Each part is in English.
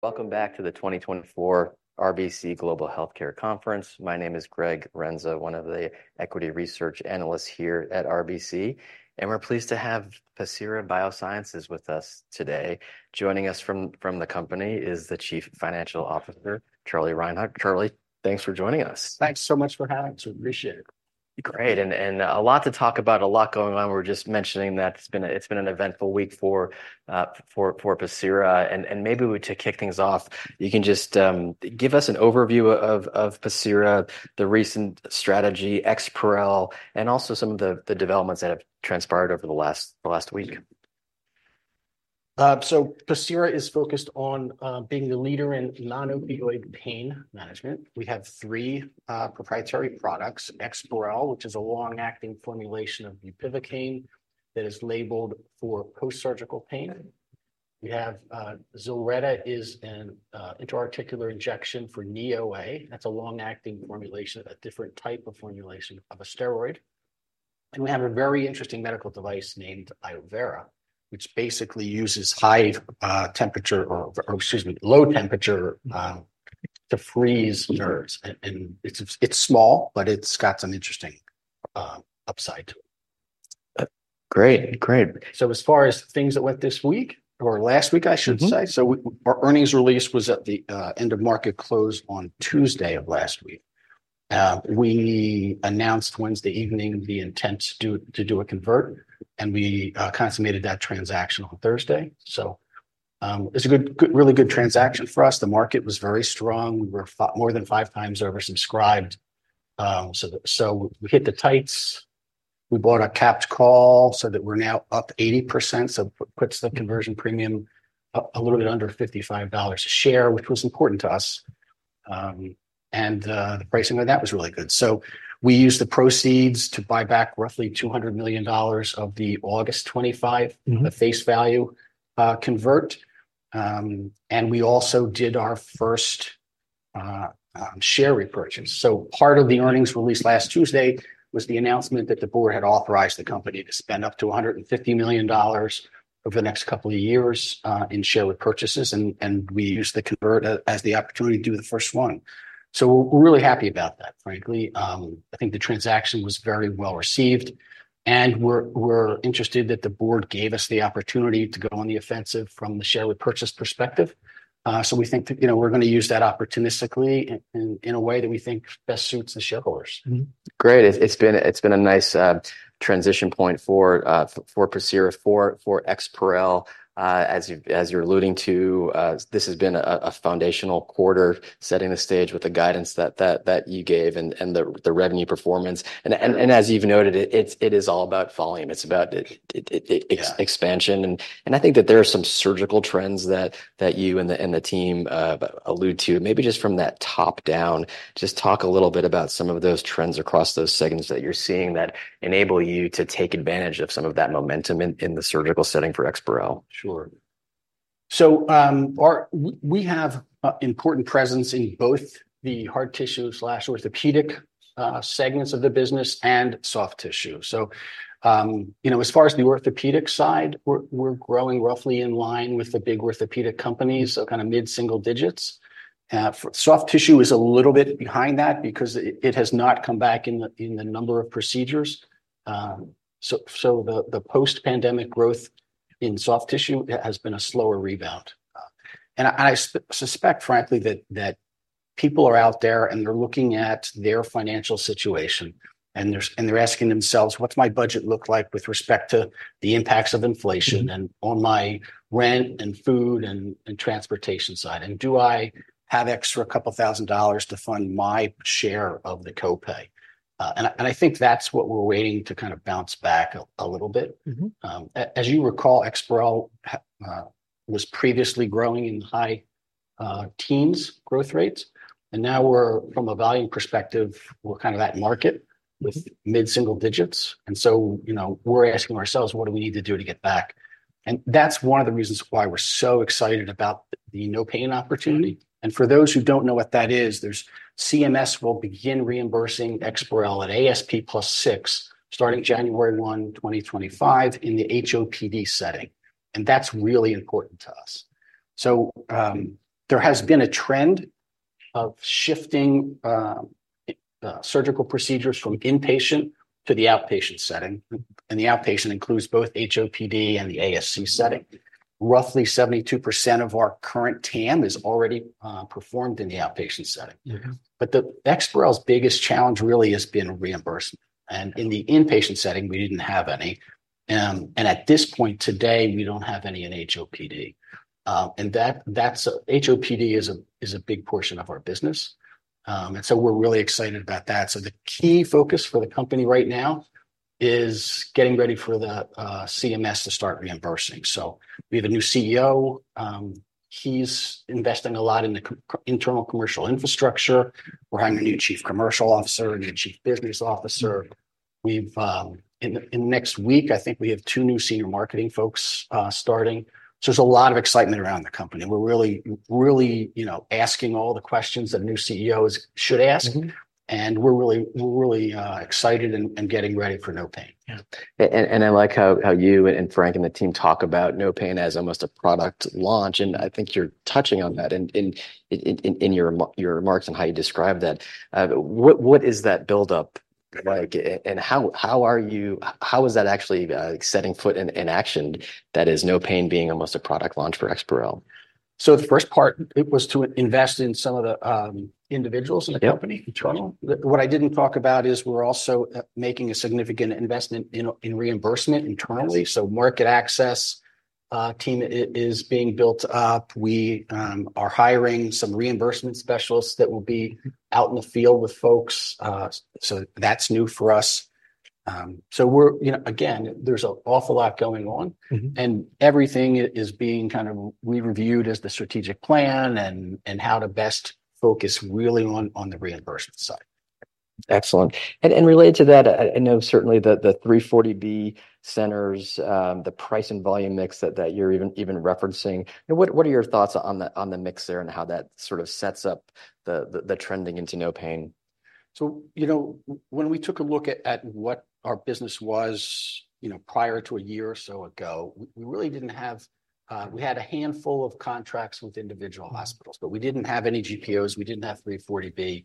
Welcome back to the 2024 RBC Global Healthcare Conference. My name is Greg Renza, one of the Equity Research Analysts here at RBC, and we're pleased to have Pacira BioSciences with us today. Joining us from the company is the Chief Financial Officer, Charlie Reinhart. Charlie, thanks for joining us. Thanks so much for having us. We appreciate it. Great. And a lot to talk about, a lot going on. We were just mentioning that it's been an eventful week for Pacira. And maybe we to kick things off, you can just give us an overview of Pacira, the recent strategy, EXPAREL, and also some of the developments that have transpired over the last week. So Pacira is focused on being the leader in non-opioid pain management. We have three proprietary products: EXPAREL, which is a long-acting formulation of bupivacaine that is labeled for post-surgical pain. We have ZILRETTA, which is an intra-articular injection for knee OA. That's a long-acting formulation, a different type of formulation of a steroid. And we have a very interesting medical device named iovera°, which basically uses high temperature or, excuse me, low temperature to freeze nerves. And it's small, but it's got some interesting upside to it. Great, great. So as far as things that went this week, or last week, I should say. So our earnings release was at the end of market close on Tuesday of last week. We announced Wednesday evening the intent to do a convert, and we consummated that transaction on Thursday. So it's a good, really good transaction for us. The market was very strong. We were more than 5 times oversubscribed. So we hit the tights. We bought a capped call so that we're now up 80%. So puts the conversion premium a little bit under $55 a share, which was important to us. And the pricing on that was really good. So we used the proceeds to buy back roughly $200 million of the August 25 face value convert. And we also did our first share repurchase. So part of the earnings release last Tuesday was the announcement that the Board had authorized the company to spend up to $150 million over the next couple of years in share repurchases. And we used the convert as the opportunity to do the first one. So we're really happy about that. Frankly, I think the transaction was very well received. And we're interested that the Board gave us the opportunity to go on the offensive from the share repurchase perspective. So we think that, you know, we're going to use that opportunistically in a way that we think best suits the shareholders. Great. It's been a nice transition point for Pacira, for EXPAREL. As you're alluding to, this has been a foundational quarter, setting the stage with the guidance that you gave and the revenue performance. And as you've noted, it is all about volume. It's about expansion. And I think that there are some surgical trends that you and the team allude to. Maybe just from that top down, just talk a little bit about some of those trends across those segments that you're seeing that enable you to take advantage of some of that momentum in the surgical setting for EXPAREL. Sure. So we have important presence in both the hard tissue slash orthopedic segments of the business and soft tissue. So you know, as far as the orthopedic side, we're growing roughly in line with the big orthopedic companies. So kind of mid single digits. Soft tissue is a little bit behind that because it has not come back in the number of procedures. So the post-pandemic growth in soft tissue has been a slower rebound. And I suspect, frankly, that people are out there, and they're looking at their financial situation. And they're asking themselves, what's my budget look like with respect to the impacts of inflation and on my rent and food and transportation side? And do I have extra a couple of $1,000 to fund my share of the copay? And I think that's what we're waiting to kind of bounce back a little bit. As you recall, EXPAREL was previously growing in high teens growth rates. And now we're, from a volume perspective, we're kind of at market with mid single digits. And so, you know, we're asking ourselves, what do we need to do to get back? And that's one of the reasons why we're so excited about the NOPAIN opportunity. And for those who don't know what that is, CMS will begin reimbursing EXPAREL at ASP plus 6, starting January 1, 2025, in the HOPD setting. And that's really important to us. So there has been a trend of shifting surgical procedures from inpatient to the outpatient setting. And the outpatient includes both HOPD and the ASC setting. Roughly 72% of our current TAM is already performed in the outpatient setting. The EXPAREL's biggest challenge really has been reimbursement. In the inpatient setting, we didn't have any. At this point today, we don't have any in HOPD. And that HOPD is a big portion of our business. So we're really excited about that. The key focus for the company right now is getting ready for the CMS to start reimbursing. We have a new CEO. He's investing a lot in the internal commercial infrastructure. We're hiring a new Chief Commercial Officer, a new Chief Business Officer. In the next week, I think we have 2 new senior marketing folks starting. So there's a lot of excitement around the company. We're really really, you know, asking all the questions that a new CEO should ask. And we're really excited and getting ready for NOPAIN. Yeah. And I like how you and Frank and the team talk about NOPAIN as almost a product launch. And I think you're touching on that in your remarks and how you describe that. What is that buildup like? And how are you? How is that actually setting foot in action? That is, NOPAIN being almost a product launch for EXPAREL. So the first part, it was to invest in some of the individuals in the company internal. What I didn't talk about is we're also making a significant investment in reimbursement internally. So market access team is being built up. We are hiring some reimbursement specialists that will be out in the field with folks. So that's new for us. So we're, you know, again, there's an awful lot going on. And everything is being kind of we reviewed as the strategic plan and how to best focus really on the reimbursement side. Excellent. And related to that, I know certainly the 340B centers, the price and volume mix that you're even referencing. You know, what are your thoughts on the mix there and how that sort of sets up the trending into NOPAIN? So, you know, when we took a look at what our business was, you know, prior to a year or so ago, we really didn't have. We had a handful of contracts with individual hospitals, but we didn't have any GPOs. We didn't have 340B.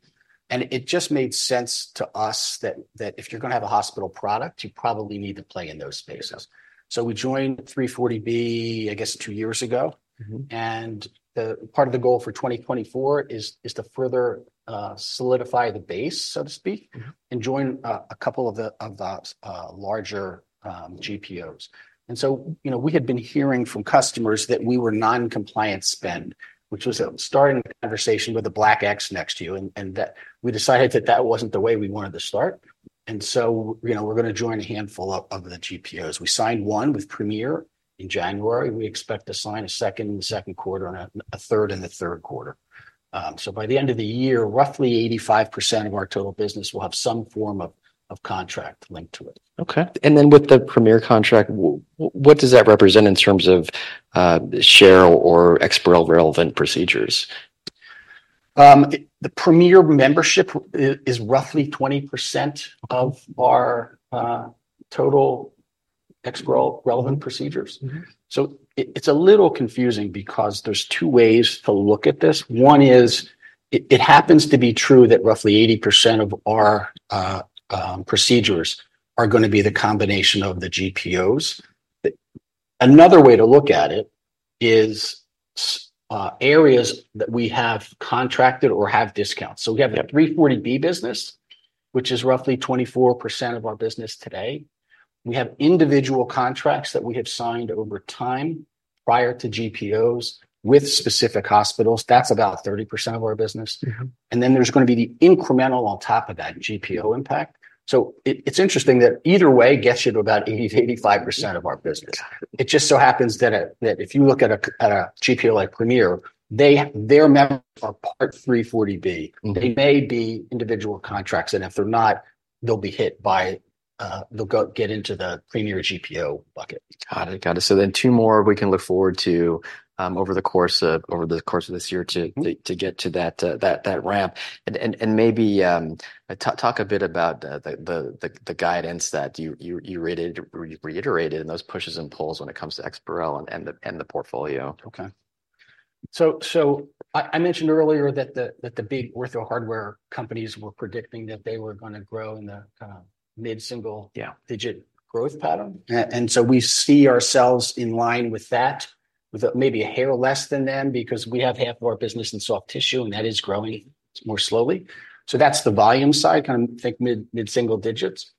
And it just made sense to us that if you're going to have a hospital product, you probably need to play in those spaces. So we joined 340B, I guess, 2 years ago. And the part of the goal for 2024 is to further solidify the base, so to speak, and join a couple of the larger GPOs. And so, you know, we had been hearing from customers that we were non-compliant spend, which was starting the conversation with the black X next to you. And that we decided that wasn't the way we wanted to start. So, you know, we're going to join a handful of the GPOs. We signed one with Premier in January. We expect to sign a second in the second quarter and a third in the third quarter. So by the end of the year, roughly 85% of our total business will have some form of contract linked to it. Okay. And then with the Premier contract, what does that represent in terms of share or EXPAREL relevant procedures? The Premier membership is roughly 20% of our total EXPAREL relevant procedures. So it's a little confusing because there's 2 ways to look at this. One is it happens to be true that roughly 80% of our procedures are going to be the combination of the GPOs. Another way to look at it is areas that we have contracted or have discounts. So we have a 340B business, which is roughly 24% of our business today. We have individual contracts that we have signed over time prior to GPOs with specific hospitals. That's about 30% of our business. And then there's going to be the incremental on top of that GPO impact. So it's interesting that either way gets you to about 80%-85% of our business. It just so happens that if you look at a GPO like Premier, their members are part 340B. They may be individual contracts. And if they're not, they'll be hit by. They'll go get into the Premier GPO bucket. Got it. Got it. So then 2 more we can look forward to over the course of this year to get to that ramp. And maybe talk a bit about the guidance that you reiterated in those pushes and pulls when it comes to EXPAREL and the portfolio. Okay. So I mentioned earlier that the big ortho hardware companies were predicting that they were going to grow in the kind of mid-single-digit growth pattern. And so we see ourselves in line with that, with maybe a hair less than them, because we have half of our business in soft tissue, and that is growing more slowly. So that's the volume side. Kind of think mid-single-digits.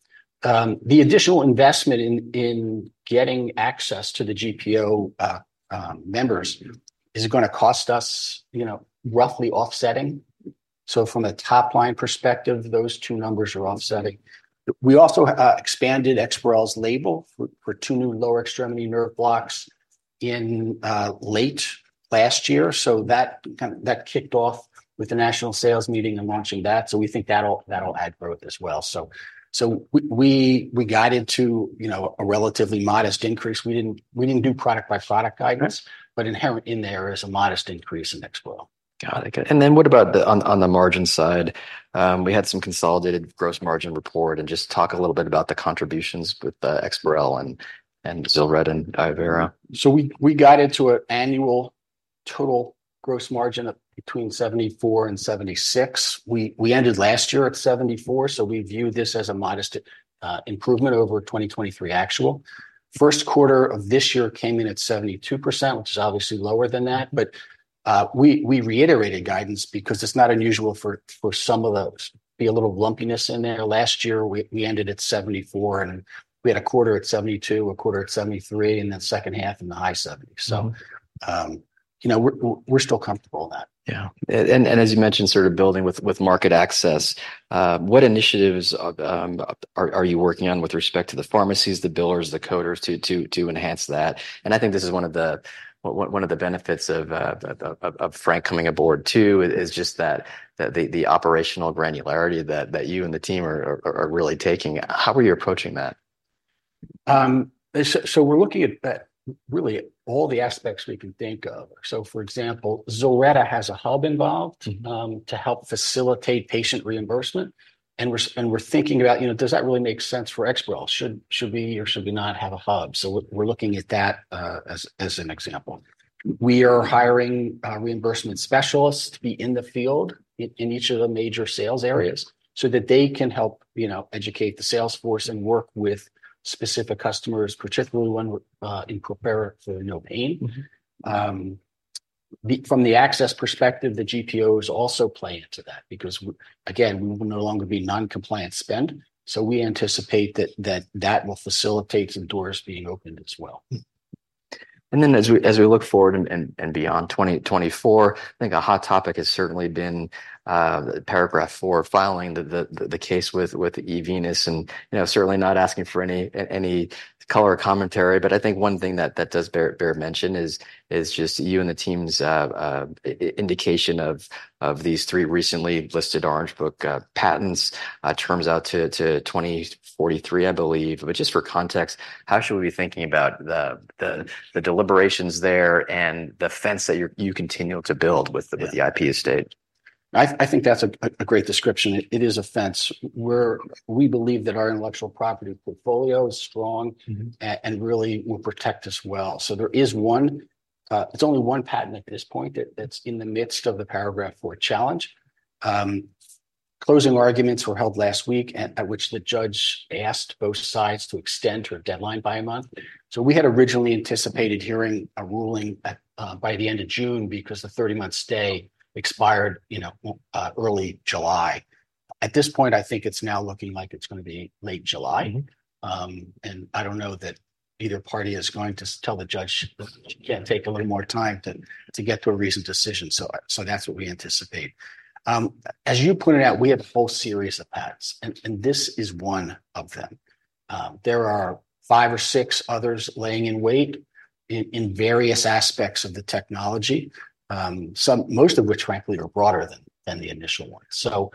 The additional investment in getting access to the GPO members is going to cost us, you know, roughly offsetting. So from a top line perspective, those two numbers are offsetting. We also expanded EXPAREL's label for two new lower extremity nerve blocks in late last year. So that kind of kicked off with the national sales meeting and launching that. So we think that'll add growth as well. So we got into, you know, a relatively modest increase. We didn't do product by product guidance, but inherent in there is a modest increase in EXPAREL. Got it. Got it. And then what about the on the margin side? We had some consolidated gross margin report. And just talk a little bit about the contributions with EXPAREL and ZILRETTA and iovera°. So we got into an annual total gross margin between 74%-76%. We ended last year at 74%. So we view this as a modest improvement over 2023 actual. First quarter of this year came in at 72%, which is obviously lower than that. But we reiterated guidance because it's not unusual for some of those to be a little lumpiness in there. Last year, we ended at 74%, and we had a quarter at 72%, a quarter at 73%, and then second half in the high 70s. So, you know, we're still comfortable in that. Yeah. And as you mentioned, sort of building with market access, what initiatives are you working on with respect to the pharmacies, the billers, the coders to enhance that? And I think this is one of the benefits of Frank coming aboard, too, is just that the operational granularity that you and the team are really taking. How are you approaching that? So we're looking at really all the aspects we can think of. So, for example, ZILRETTA has a hub involved to help facilitate patient reimbursement. And we're thinking about, you know, does that really make sense for EXPAREL? Should we or should we not have a hub? So we're looking at that as an example. We are hiring reimbursement specialists to be in the field in each of the major sales areas so that they can help, you know, educate the salesforce and work with specific customers, particularly when we're in prepare for NOPAIN. From the access perspective, the GPOs also play into that because, again, we will no longer be non-compliant spend. So we anticipate that will facilitate some doors being opened as well. And then as we look forward and beyond 2024, I think a hot topic has certainly been Paragraph IV filing the case with eVenus. And, you know, certainly not asking for any color commentary. But I think one thing that does bear mention is just you and the team's indication of these three recently listed Orange Book patents terms out to 2043, I believe. But just for context, how should we be thinking about the deliberations there and the fence that you continue to build with the IP estate? I think that's a great description. It is a fence. We believe that our intellectual property portfolio is strong and really will protect us well. So there is one. It's only one patent at this point that's in the midst of the Paragraph IV challenge. Closing arguments were held last week, at which the judge asked both sides to extend her deadline by a month. So we had originally anticipated hearing a ruling by the end of June because the 30-month stay expired, you know, early July. At this point, I think it's now looking like it's going to be late July. And I don't know that either party is going to tell the judge she can't take a little more time to get to a reasoned decision. So that's what we anticipate. As you pointed out, we have a whole series of patents. And this is one of them. There are five or six others laying in wait in various aspects of the technology, some most of which, frankly, are broader than the initial one. So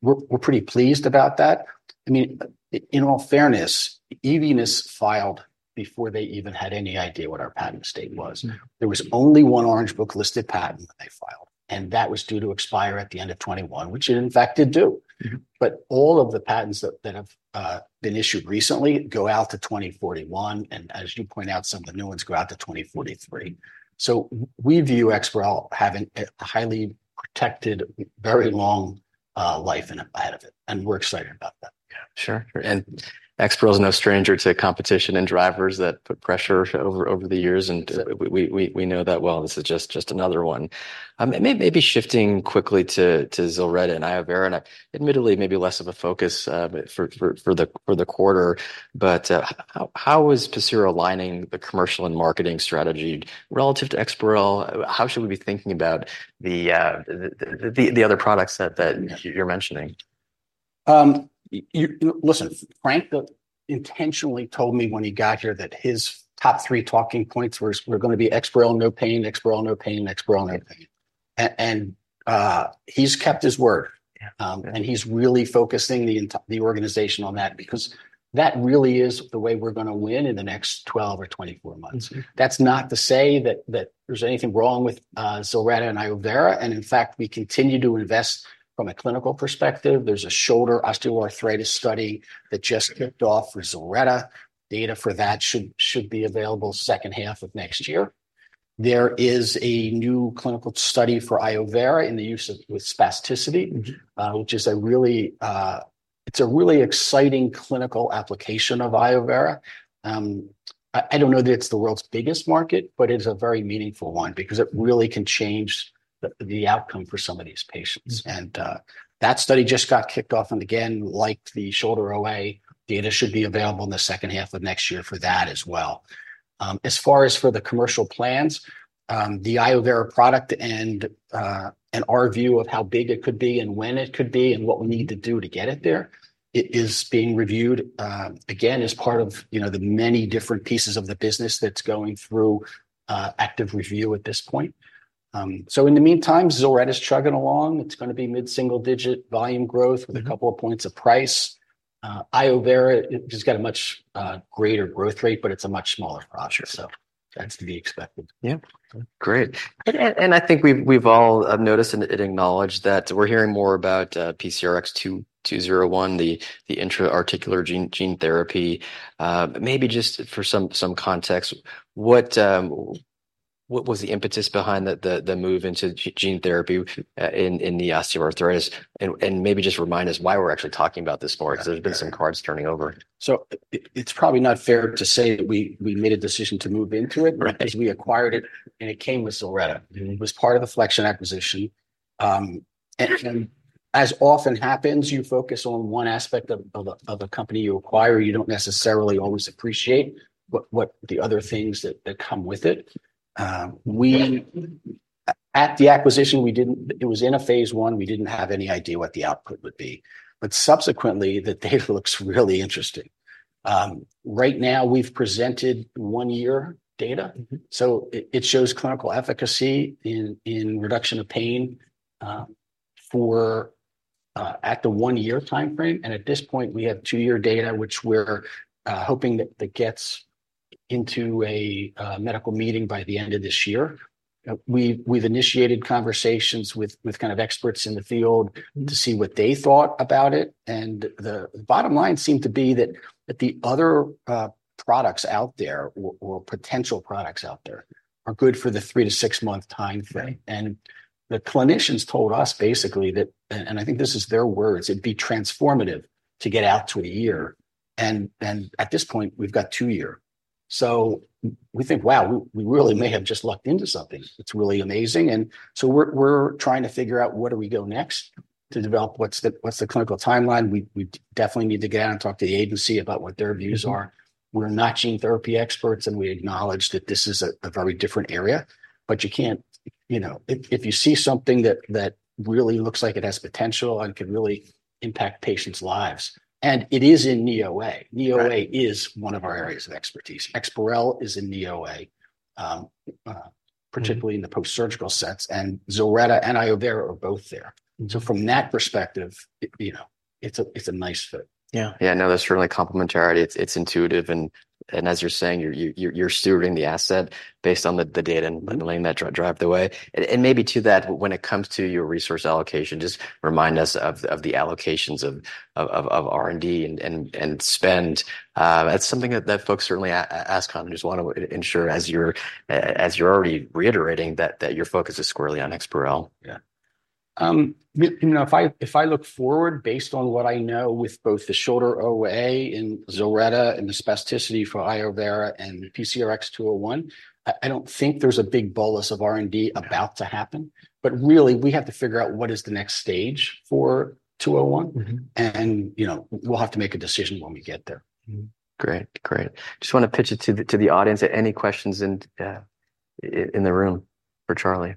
we're pretty pleased about that. I mean, in all fairness, eVenus filed before they even had any idea what our patent estate was. There was only one Orange Book listed patent that they filed, and that was due to expire at the end of 2021, which it, in fact, did do. But all of the patents that have been issued recently go out to 2041. And as you point out, some of the new ones go out to 2043. So we view EXPAREL having a highly protected, very long life ahead of it. And we're excited about that. Yeah. Sure. Sure. EXPAREL is no stranger to competition and drivers that put pressure over the years. We know that well. This is just another one. Maybe shifting quickly to ZILRETTA and iovera°. I admittedly, maybe less of a focus for the quarter. But how is Pacira aligning the commercial and marketing strategy relative to EXPAREL? How should we be thinking about the other products that you're mentioning? Listen, Frank intentionally told me when he got here that his top 3 talking points were going to be EXPAREL, NOPAIN, EXPAREL, NOPAIN, EXPAREL, NOPAIN. And he's kept his word. And he's really focusing the organization on that because that really is the way we're going to win in the next 12 or 24 months. That's not to say that there's anything wrong with ZILRETTA and iovera°. And in fact, we continue to invest from a clinical perspective. There's a shoulder osteoarthritis study that just kicked off for ZILRETTA. Data for that should be available second half of next year. There is a new clinical study for iovera° in the use of with spasticity, which is a really it's a really exciting clinical application of iovera°. I don't know that it's the world's biggest market, but it's a very meaningful one because it really can change the outcome for some of these patients. And that study just got kicked off. And again, like the shoulder OA, data should be available in the second half of next year for that as well. As far as for the commercial plans, the iovera° product and our view of how big it could be and when it could be and what we need to do to get it there, it is being reviewed again as part of, you know, the many different pieces of the business that's going through active review at this point. So in the meantime, ZILRETTA is chugging along. It's going to be mid single digit volume growth with a couple of points of price. iovera° has got a much greater growth rate, but it's a much smaller project. So that's to be expected. Yeah. Great. And I think we've all noticed and it's acknowledged that we're hearing more about PCRX-201, the intra-articular gene therapy. Maybe just for some context, what was the impetus behind the move into gene therapy in the osteoarthritis? And maybe just remind us why we're actually talking about this more because there's been some cards turning over. So it's probably not fair to say that we made a decision to move into it because we acquired it, and it came with ZILRETTA. It was part of the Flexion acquisition. And as often happens, you focus on one aspect of a company you acquire. You don't necessarily always appreciate what the other things that come with it. We at the acquisition, we didn't. It was in phase I. We didn't have any idea what the output would be. But subsequently, the data looks really interesting. Right now, we've presented 1-year data. So it shows clinical efficacy in reduction of pain for the 1-year time frame. And at this point, we have 2-year data, which we're hoping that gets into a medical meeting by the end of this year. We've initiated conversations with kind of experts in the field to see what they thought about it. And the bottom line seemed to be that the other products out there or potential products out there are good for the 3-6 month time frame. And the clinicians told us basically that and I think this is their words. It'd be transformative to get out to a year. And at this point, we've got 2-year. So we think, wow, we really may have just lucked into something. It's really amazing. And so we're trying to figure out, what do we go next to develop? What's the clinical timeline? We definitely need to get out and talk to the agency about what their views are. We're not gene therapy experts, and we acknowledge that this is a very different area. But you can't, you know, if you see something that really looks like it has potential and can really impact patients' lives. And it is in knee OA. Knee OA is one of our areas of expertise. EXPAREL is in knee OA, particularly in the postsurgical sense. And ZILRETTA and iovera° are both there. So from that perspective, you know, it's a nice fit. Yeah. Yeah. No, that's really complementarity. It's intuitive. And as you're saying, you're steering the asset based on the data and laying that drive the way. And maybe to that, when it comes to your resource allocation, just remind us of the allocations of R&D and spend. That's something that folks certainly ask on and just want to ensure as you're already reiterating that your focus is squarely on EXPAREL. Yeah. You know, if I look forward based on what I know with both the shoulder OA and ZILRETTA and the spasticity for iovera° and PCRX-201, I don't think there's a big bolus of R&D about to happen. But really, we have to figure out what is the next stage for 201. And, you know, we'll have to make a decision when we get there. Great. Great. Just want to pitch it to the audience. Any questions in the room for Charlie?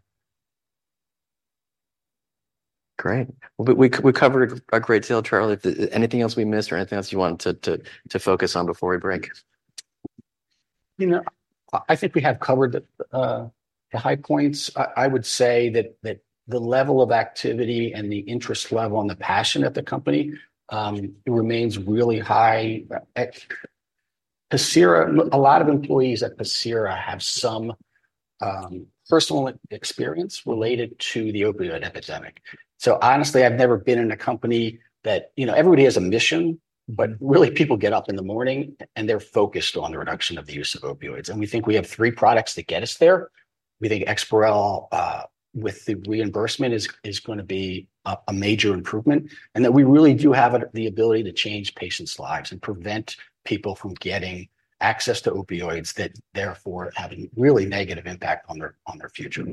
Great. Well, but we covered a great deal, Charlie. Anything else we missed or anything else you want to focus on before we break? You know, I think we have covered the high points. I would say that the level of activity and the interest level and the passion at the company remains really high. Pacira. A lot of employees at Pacira have some personal experience related to the opioid epidemic. So honestly, I've never been in a company that, you know, everybody has a mission, but really, people get up in the morning, and they're focused on the reduction of the use of opioids. And we think we have three products that get us there. We think EXPAREL with the reimbursement is going to be a major improvement and that we really do have the ability to change patients' lives and prevent people from getting access to opioids that, therefore, have a really negative impact on their future.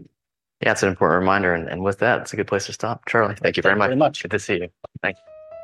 Yeah. That's an important reminder. And with that, it's a good place to stop. Charlie, thank you very much. Good to see you. Thanks.